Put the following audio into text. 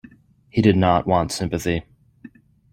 He did not want sympathy.